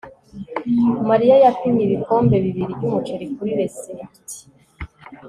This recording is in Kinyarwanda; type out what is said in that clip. mariya yapimye ibikombe bibiri byumuceri kuri resept